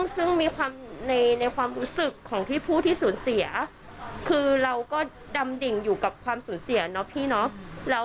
ซึ่งมีความในความรู้สึกของที่ผู้ที่สูญเสียคือเราก็ดำดิ่งอยู่กับความสูญเสียเนาะพี่เนาะ